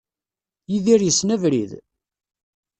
Yidir yessen abrid?